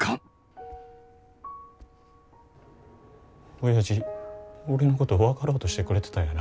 おやじ俺のこと分かろうとしてくれてたんやな。